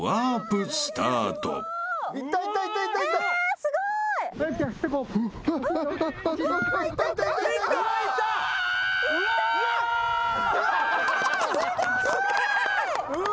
すごい！うわ！